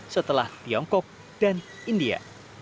setelah tiongkok dan india